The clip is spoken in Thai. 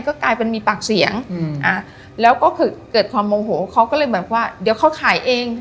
ก็กลายเป็นมีปากเสียงอืมอ่าแล้วก็คือเกิดความโมโหเขาก็เลยแบบว่าเดี๋ยวเขาถ่ายเอง